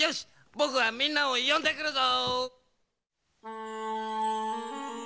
ぼくはみんなをよんでくるぞ！